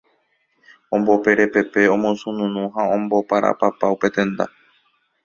Omboperepepe, omosunu ha omboparapa upe tenda.